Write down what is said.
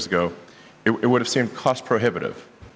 siapa yang akan mendukung r d di era ini